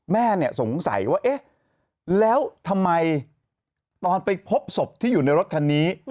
แม่สงสัยว่าเอ๊ะแล้วทำไมตอนไปพบศพที่อยู่ในรถคันนี้